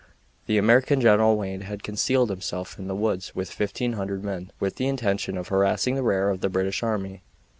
The American General Wayne had concealed himself in the woods with 1500 men, with the intention of harassing the rear of the British army.